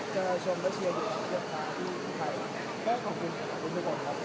ตอนนี้ก็ต้องพักตัวเนี้ยตอนนี้ก็ต้องพักตัวเนี้ย